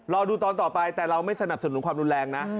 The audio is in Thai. รอดูตอนต่อไปแต่เราไม่สนับสนุนความรุนแรงนะ